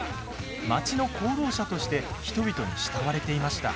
町の功労者として人々に慕われていました。